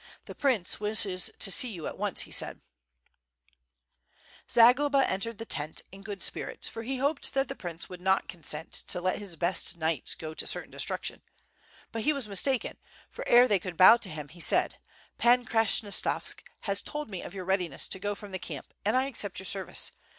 "The prince wishes to see you at once," he said. 48 754 WITH FJRE AND SWORD, Zagloba entered the tent in good spirits, for he hoped that the Prince would not consent to let his best knights go to certain destruction; but he was mistaken, for ere they could bow to him he said: "Pan Krasnostavsk has told me of your readiness to go from the camp and I accept your service.